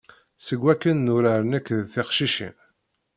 Seg wakken nurar nekk d teqcicin.